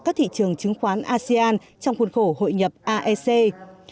các thị trường chứng khoán asean trong khuôn khổ hội nhập aec